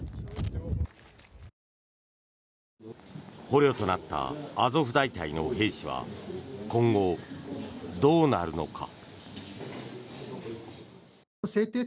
捕虜となったアゾフ大隊の兵士は今後、どうなるのか。